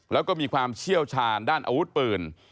แล้วก็มีความเชี่ยวชาญด้านอาวุธปืน